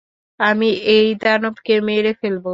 আমি এই দানবকে মেরে ফেলব।